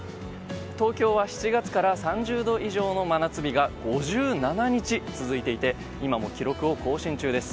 東京は７月から３０度以上の真夏日が５７日続いていて今も記録を更新中です。